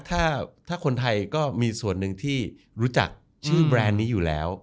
ถ้าคนไทยก็มีส่วนหนึ่งที่รู้จักชื่อแบรนด์นี้อยู่แล้ว